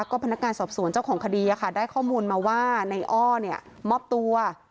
ก็พนักงานสอบสวนเจ้าของคดีได้ข้อมูลมาว่าในอ้อมอบตัว